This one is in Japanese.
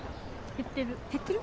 減ってる？